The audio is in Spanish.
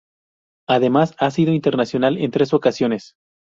Además ha sido internacional en tres ocasiones.